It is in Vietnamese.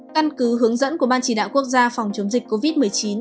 căn cứ hướng dẫn của ban chỉ đạo quốc gia phòng chống dịch covid một mươi chín